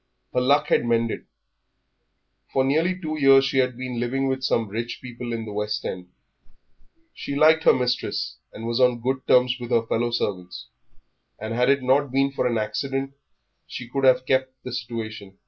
Her luck had mended; for nearly two years she had been living with some rich people in the West End; she liked her mistress and was on good terms with her fellow servants, and had it not been for an accident she could have kept this situation.